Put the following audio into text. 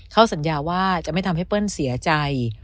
สัญญาว่าจะไม่ทำให้เปิ้ลเสียใจ